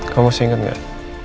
kamu masih inget gak